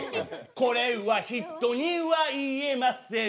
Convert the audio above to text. これは人には言えません